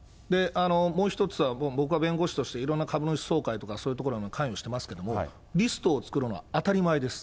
もう一つ、僕は弁護士としていろんな株主総会とかそういう所も関与してますけれども、リストを作るのは当たり前です。